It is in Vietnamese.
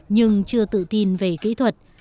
nhưng chưa tự tin về kỹ thuật